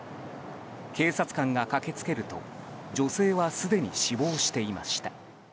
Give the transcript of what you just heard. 警察官が駆け付けると女性はすでに死亡していました。